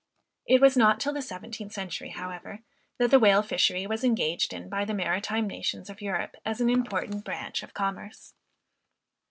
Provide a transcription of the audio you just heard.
It was not till the seventeenth century however, that the whale fishery was engaged in by the maritime nations of Europe as an important branch of commerce.